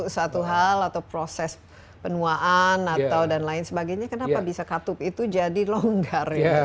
suatu hal atau proses penuaan atau dan lain sebagainya kenapa bisa katup itu jadi longgar